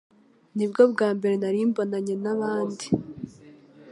Ni bwo bwa mbere nari mbonanye n'abandi